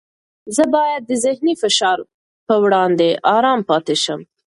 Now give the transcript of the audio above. زه باید د ذهني فشار په وړاندې ارام پاتې شم.